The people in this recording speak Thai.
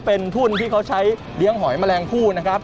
เป็นทุนที่เขาใช้เลี้ยงหอยแมลงผู้นะครับ